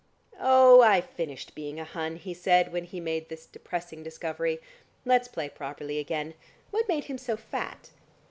"Oh, I've finished being a Hun," he said, when he made this depressing discovery. "Let's play properly again. What made him so fat?"